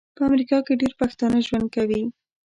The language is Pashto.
په امریکا کې ډیر پښتانه ژوند کوي